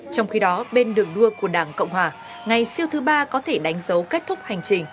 trong khi đó bên đường đua của đảng cộng hòa ngày siêu thứ ba có thể đánh dấu kết thúc hành trình